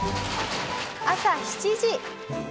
朝７時。